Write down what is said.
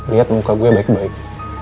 lihat muka gue baik baik